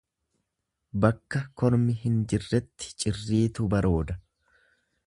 Bakka kormi hin jirretti cirriitu barooda.